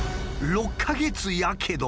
「６か月やけど」？